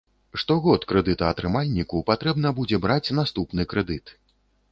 Штогод крэдытаатрымальніку патрэбна будзе браць наступны крэдыт.